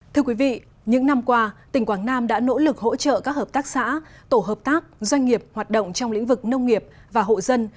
thưa quý vị những năm qua tỉnh quảng nam đã nỗ lực hỗ trợ các hợp tác xã tổ hợp tác doanh nghiệp hoạt động trong lĩnh vực nông nghiệp và hộ dân